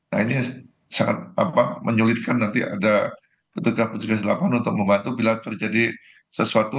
nah ini sangat menyulitkan nanti ada ketua keputusan kesilapan untuk membantu bila terjadi sesuatu